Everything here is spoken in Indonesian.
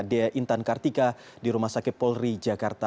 dea intan kartika di rumah sakit polri jakarta